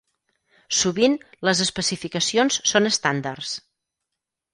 Sovint les especificacions són estàndards.